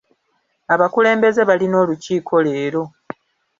Abakulembeze balina olukiiko leero.